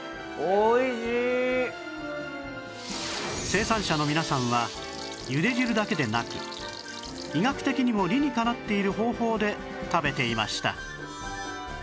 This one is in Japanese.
生産者の皆さんはゆで汁だけでなく医学的にも理にかなっている方法で食べていました